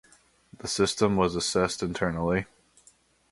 The system was assessed internally.